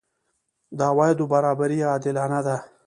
د عوایدو برابري عادلانه ده؟